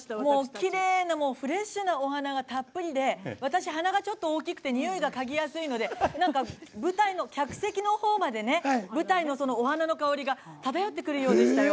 きれいなフレッシュなお花がたっぷりで私、鼻がちょっと大きくて匂いをかぎやすいので舞台の客席のほうまで舞台のお花の香りが漂ってくるようでしたよ。